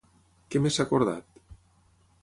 Què més s'ha acordat?